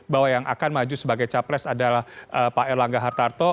bahwa yang akan maju sebagai capres adalah pak erlangga hartarto